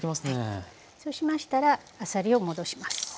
そうしましたらあさりを戻します。